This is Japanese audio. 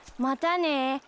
またね。